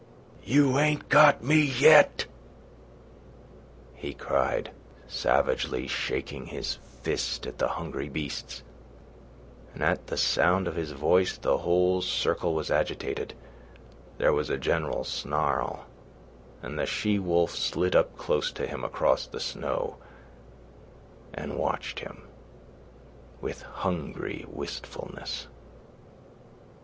"You ain't got me yet!" he cried, savagely shaking his fist at the hungry beasts; and at the sound of his voice the whole circle was agitated, there was a general snarl, and the she wolf slid up close to him across the snow and watched him with hungry wistfulness.